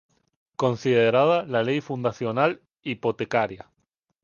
Considerada la ley fundacional hipotecaria.